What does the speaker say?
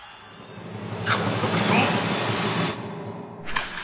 今度こそ！